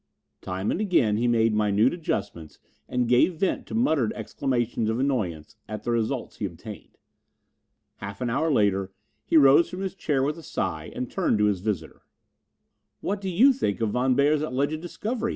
Time and again he made minute adjustments and gave vent to muttered exclamations of annoyance at the results he obtained. Half an hour later he rose from his chair with a sigh and turned to his visitor. "What do you think of Von Beyer's alleged discovery?"